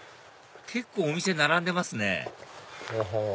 結構お店並んでますねほほう！